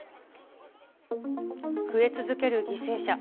増え続ける犠牲者。